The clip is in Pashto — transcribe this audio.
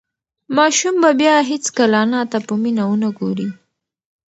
ماشوم به بیا هیڅکله انا ته په مینه ونه گوري.